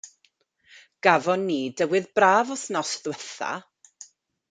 Gafo' ni dywydd braf wythnos ddwytha'.